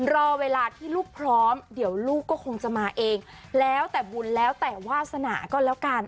รอเวลาที่ลูกพร้อมเดี๋ยวลูกก็คงจะมาเองแล้วแต่บุญแล้วแต่วาสนาก็แล้วกัน